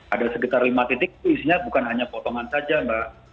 ada sekitar lima titik itu isinya bukan hanya potongan saja mbak